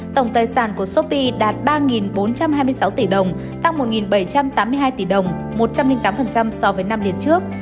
tổng tài sản của shopee đạt ba bốn trăm hai mươi sáu tỷ đồng tăng một bảy trăm tám mươi hai tỷ đồng một trăm linh tám so với năm liên trước